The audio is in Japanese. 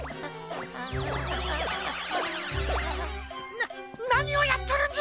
ななにをやっとるんじゃ！